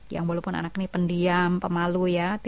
yang walaupun anak ini pendiam pemalu ya